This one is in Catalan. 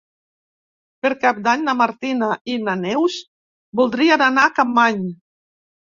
Per Cap d'Any na Martina i na Neus voldrien anar a Capmany.